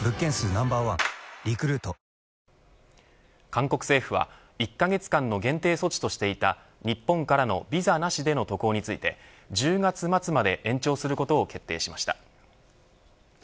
韓国政府は１カ月間の限定措置としていた、日本からのビザなしでの渡航について１０月末まで延長することを決定しました。